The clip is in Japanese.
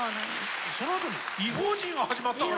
そのあと「異邦人」が始まったから。